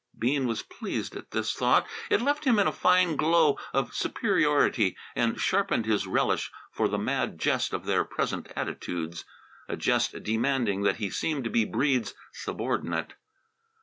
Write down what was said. Bean was pleased at this thought. It left him in a fine glow of superiority and sharpened his relish for the mad jest of their present attitudes a jest demanding that he seem to be Breede's subordinate.